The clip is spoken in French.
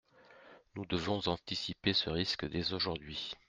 Nous devons anticiper ce risque dès aujourd’hui.